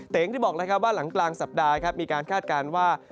แต่อย่างที่บอกนะครับว่าหลังสัปดาห์มีการคาดการณ์ว่า